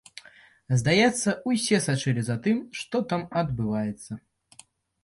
Здаецца, усе сачылі за тым, што там адбываецца.